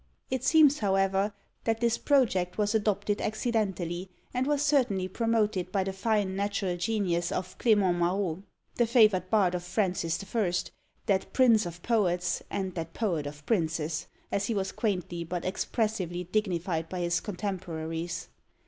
It seems, however, that this project was adopted accidentally, and was certainly promoted by the fine natural genius of Clement Marot, the favoured bard of Francis the First, that "prince of poets and that poet of princes," as he was quaintly but expressively dignified by his contemporaries.